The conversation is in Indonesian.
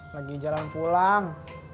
lagi jalan pulang